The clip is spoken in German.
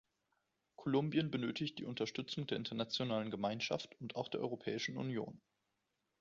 Kolumbien benötigt die Unterstützung der internationalen Gemeinschaft und auch der Europäischen Union.